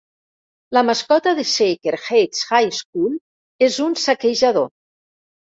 La mascota de Shaker Heights High School és un "saquejador".